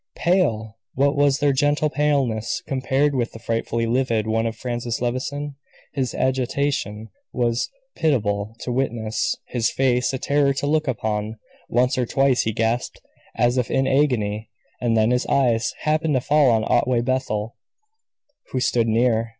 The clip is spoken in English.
Pale! What was their gentle paleness compared with the frightfully livid one of Francis Levison? His agitation was pitiable to witness, his face a terror to look upon; once or twice he gasped, as if in an agony; and then his eyes happened to fall on Otway Bethel, who stood near.